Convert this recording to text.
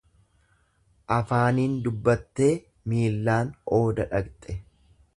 Afaanin dubbattee miilaan ooda dhaqxe.